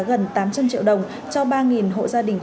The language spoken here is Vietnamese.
gần tám trăm linh triệu đồng cho ba hộ gia đình